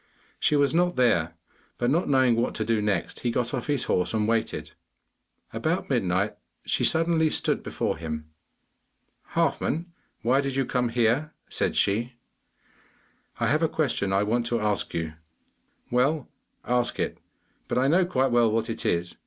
She was not there, but not knowing what to do next, he got off his horse and waited. About midnight she suddenly stood before him. 'Halfman, why did you come here?' said she. 'I have a question I want to ask you.' 'Well, ask it; but I know quite well what it is.